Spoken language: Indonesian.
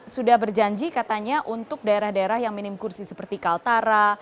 sudah berjanji katanya untuk daerah daerah yang minim kursi seperti kaltara